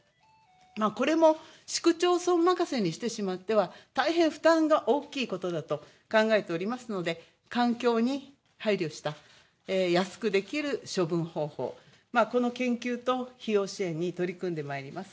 これも市区町村任せにしてしまっては大変負担が大きいことだと考えておりますので環境に配慮した安くできる処分方法、この研究と費用支援に取り組んでまいります。